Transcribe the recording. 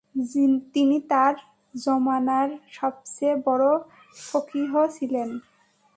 তিনি তার যমানার সবচেয়ে বড় ফক্বীহ ছিলেন।